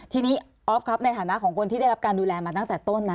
ทีนี้ออฟครับในฐานะของคนที่ได้รับการดูแลมาตั้งแต่ต้นนะ